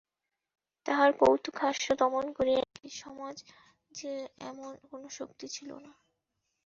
তাহার কৌতুকহাস্য দমন করিয়া রাখে, সমাজে এমন কোনো শক্তি ছিল না।